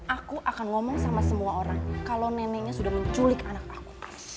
aku akan ngomong sama semua orang kalau neneknya sudah menculik anak aku